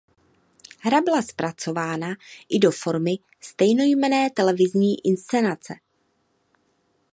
Hra byla zpracována i do formy stejnojmenné televizní inscenace.